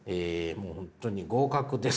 もう本当に合格です。